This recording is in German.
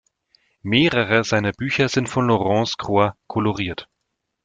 Mehrere seiner Bücher sind von Laurence Croix koloriert.